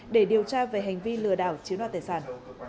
để điều tra về hành vi lừa đảo chiếm đoạt tài sản